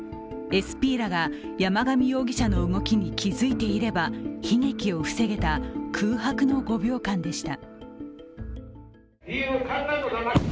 ＳＰらが山上容疑者の動きに気付いていれば、悲劇を防げた空白の５秒間でした。